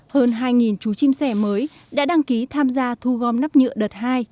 hơn hai chú chim xe mới đã đăng ký tham gia thu gom nắp nhựa đợt hai